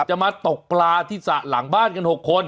จะมาตกปลาที่สระหลังบ้านกัน๖คน